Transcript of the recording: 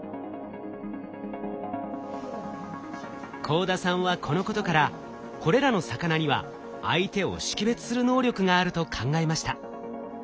幸田さんはこのことからこれらの魚には相手を識別する能力があると考えました。